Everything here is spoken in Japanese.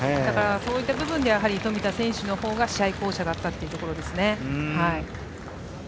そういった部分で冨田選手のほうが試合巧者だったというところですね。